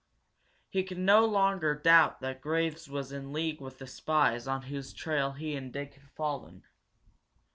He could no longer doubt that Graves was in league with the spies on whose trail he and Dick had fallen.